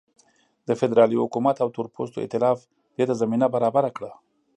د فدرالي حکومت او تورپوستو اېتلاف دې ته زمینه برابره کړه.